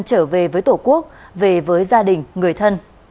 trở về với tổ quốc về với gia đình người thân